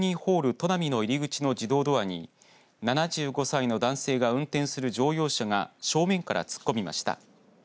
砺波の入り口の自動ドアに７５歳の男性が運転する乗用車が正面から突っ込みました。